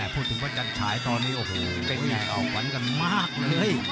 พูดถึงพระจัญใช้ตอนนี้เป็นอย่างเอาขวัญกันมากเลย